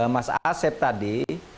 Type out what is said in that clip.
mas asep tadi